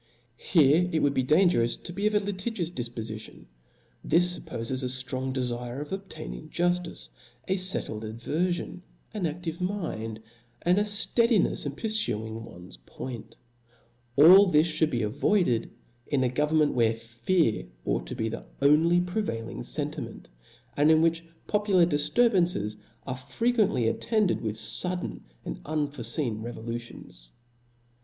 Here it would be dangerous to be of a litigi pus difpofition ; this fuppofes a ftrong defire of obtaining juftice, a fettled averfion, an aftivc mind, and a fteadinefs in purfuing one's point. All this (hould be avoided in a government, where fear ought to be the only prevailing fenti ment, io8 THE SPIRIT Book VI. Chap. 2. / ment, and in which popular diftwbanccs are frc* quently attended with fiidden and unforefeen re ' volutions.